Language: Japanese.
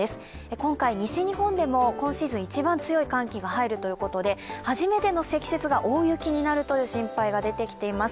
今回、西日本でも今シーズン一番強い寒気が入るということで初めての積雪が大雪になるという心配が出てきています。